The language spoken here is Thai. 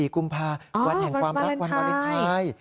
กุมภาวันแห่งความรักวันวาเลนไทย